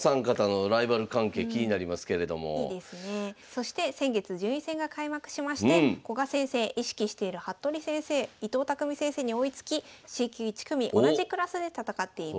そして先月順位戦が開幕しまして古賀先生意識している服部先生伊藤匠先生に追いつきＣ級１組同じクラスで戦っています。